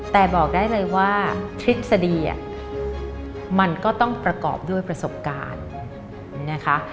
แต่บอกได้เลยว่าทฤษฎีมันก็ต้องประกอบด้วยประสบการณ์นะคะ